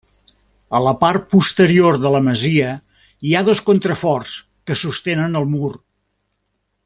A la part posterior de la masia hi ha dos contraforts que sostenen el mur.